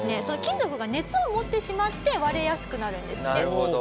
その金属が熱を持ってしまって割れやすくなるんですって。